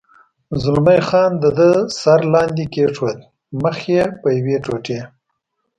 زلمی خان د ده سر لاندې کېښود، مخ یې په یوې ټوټې.